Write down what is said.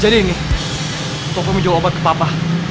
jadi ini toko mau jual obat ke papa